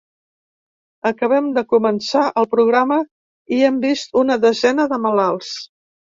Acabem de començar el programa i hem vist una desena de malalts.